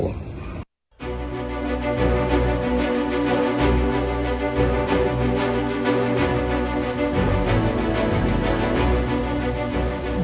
jelang pilkada serentak november mendatang